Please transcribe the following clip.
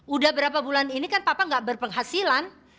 udah berapa bulan ini kan papa gak berpenghasilan